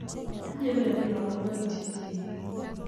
Tinye ineendet lagok aeng' che tibik.